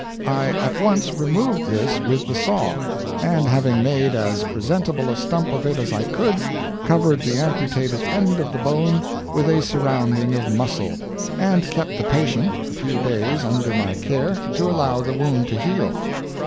I at once removed this with the saw; and having made as presentable a stump of it as I could, covered the amputated end of the bone with a surrounding of muscle, and kept the patient a few days under my care to allow the wound to heal.